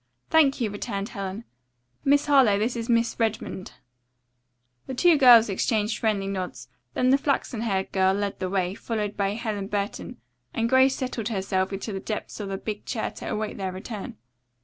"Thank you," returned Helen. "Miss Harlowe, this is Miss Redmond." The two girls exchanged friendly nods. Then the flaxen haired girl led the way, followed by Helen Burton, and Grace settled herself in the depths of a big chair to await their return.